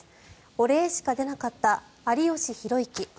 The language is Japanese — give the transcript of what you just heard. お礼しか出なかった、有吉弘行。